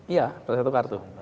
iya sekali satu kartu